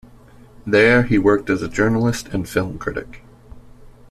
There, he worked as a journalist and film critic.